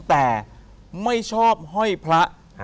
แต่ไม่ชอบห้อยพระ